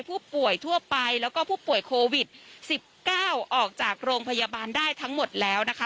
ผู้ป่วยทั่วไปแล้วก็ผู้ป่วยโควิด๑๙ออกจากโรงพยาบาลได้ทั้งหมดแล้วนะคะ